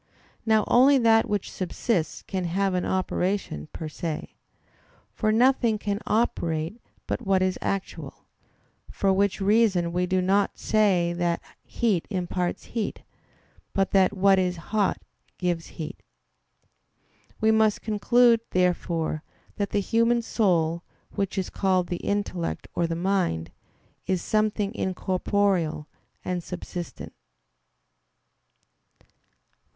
Now only that which subsists can have an operation per se. For nothing can operate but what is actual: for which reason we do not say that heat imparts heat, but that what is hot gives heat. We must conclude, therefore, that the human soul, which is called the intellect or the mind, is something incorporeal and subsistent.